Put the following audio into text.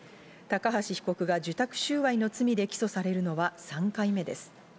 高橋被告は受託収賄の罪で起訴されるのは３回目です。